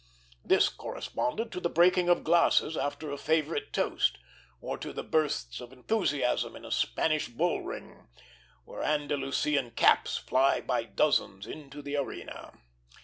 This corresponded to the breaking of glasses after a favorite toast, or to the bursts of enthusiasm in a Spanish bull ring, where Andalusian caps fly by dozens into the arena.